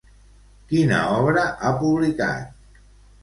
Quina obra ha publicat?